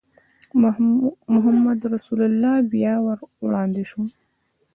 محمدرسول بیا ور وړاندې شو.